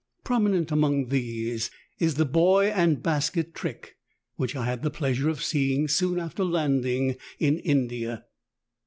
Prominent among these is the "boy and basket trick,'' which I had the pleasure of seeing soon after landing in India.